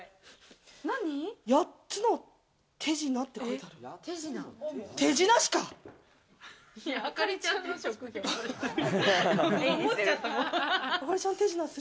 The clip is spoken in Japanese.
８つの手品って書いてある。